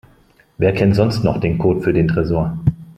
Wer kennt sonst noch den Code für den Tresor?